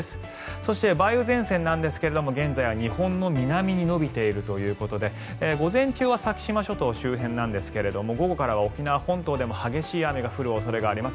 そして、梅雨前線なんですが現在は日本の南に延びているということで午前中は先島諸島周辺なんですが午後からは沖縄本島でも激しい雨が降る恐れがあります。